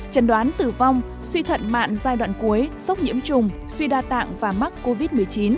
trần đoán tử vong suy thận mạng giai đoạn cuối sốc nhiễm trùng suy đa tạng và mắc covid một mươi chín